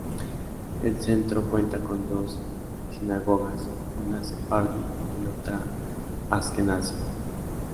El centro cuenta con dos sinagogas, una sefardí y otra asquenazí.